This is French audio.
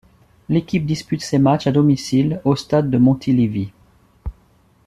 L'équipe dispute ses matchs à domicile au stade de Montilivi.